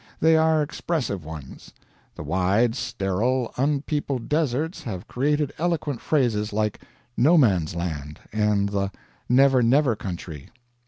They are expressive ones. The wide, sterile, unpeopled deserts have created eloquent phrases like "No Man's Land" and the "Never never Country."